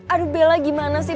aduh bella gimana sih